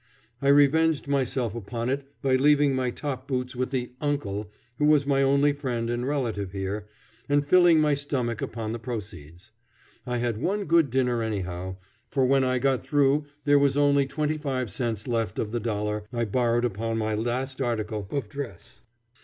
I revenged myself upon it by leaving my top boots with the "uncle," who was my only friend and relative here, and filling my stomach upon the proceeds. I had one good dinner anyhow, for when I got through there was only twenty five cents left of the dollar I borrowed upon my last article of "dress."